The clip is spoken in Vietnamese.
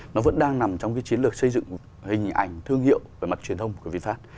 nó vẫn đang nằm trong cái chiến lược xây dựng hình ảnh thương hiệu về mặt truyền thông của vinfast